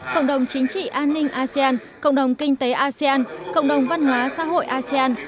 cộng đồng chính trị an ninh asean cộng đồng kinh tế asean cộng đồng văn hóa xã hội asean